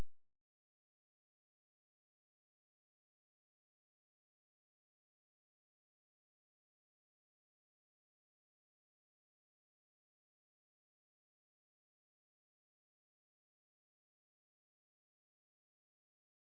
โปรดติดตามต่อไป